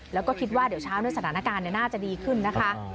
แล้วก็คิดว่าเดี๋ยวเช้าด้วยสถานการณ์น่าจะดีขึ้นนะคะ